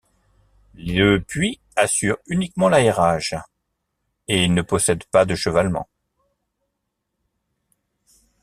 Le puits assure uniquement l'aérage, et ne possède pas de chevalement.